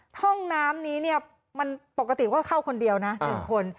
ห้องน้ำนี้เนี่ยมันปกติก็เข้าคนเดียวนะ๑คน